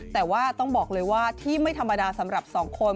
แต่ว่าต้องบอกเลยว่าที่ไม่ธรรมดาสำหรับสองคน